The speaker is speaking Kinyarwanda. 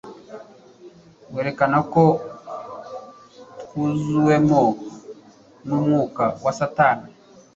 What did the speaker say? werekana ko twuzuwemo n'umwuka wa Satani.